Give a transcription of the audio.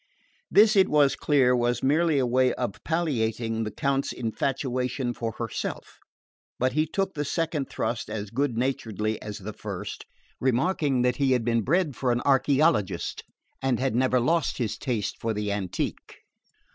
This, it was clear, was merely a way of palliating the Count's infatuation for herself; but he took the second thrust as good naturedly as the first, remarking that he had been bred for an archeologist and had never lost his taste for the antique.